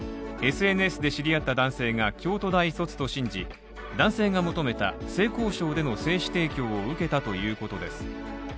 ＳＮＳで知り合った男性が京都大卒と信じ、男性が求めた性交渉での精子提供を受けたということです。